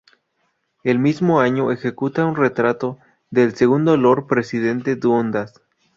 El mismo año ejecuta un retrato del segundo lord presidente Dundas.